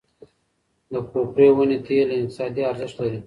د کوپره ونې تېل اقتصادي ارزښت لري.